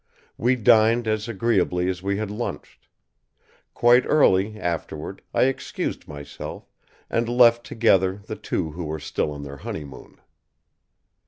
We dined as agreeably as we had lunched. Quite early, afterward, I excused myself, and left together the two who were still on their honeymoon.